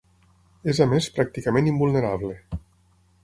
És a més pràcticament invulnerable.